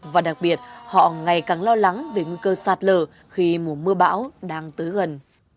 và đặc biệt họ ngày càng lo lắng về nguy cơ sạt lở khi mùa mưa bão đang tới gần